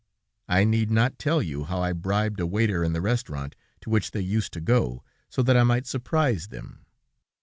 I need not tell you how I bribed a waiter in the restaurant to which they used to go, so that I might surprise them.